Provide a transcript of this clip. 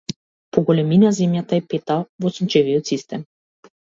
По големина земјата е петта во сончевиот систем.